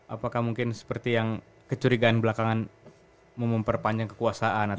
apakah mungkin seperti yang kecurigaan belakangan memperpanjang kekuasaan atau apa